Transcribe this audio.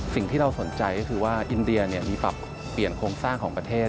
สิ่งที่เราสนใจก็คือว่าอินเดียมีปรับเปลี่ยนโครงสร้างของประเทศ